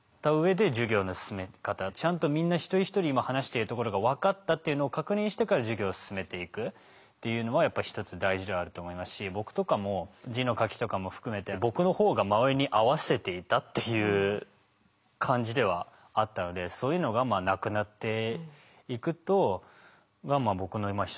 ちゃんとみんな一人一人今話しているところが分かったっていうのを確認してから授業を進めていくっていうのはやっぱ一つ大事であると思いますし僕とかも字の書きとかも含めて僕のほうが周りに合わせていたっていう感じではあったのでそういうのがなくなっていくとが僕の一つの希望ではあるとは思いますね。